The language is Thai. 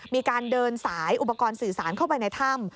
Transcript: มีการเดินสายอุปกรณ์สื่อสารเข้าไปในถ้ำ